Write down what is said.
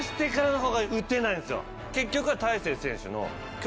結局は。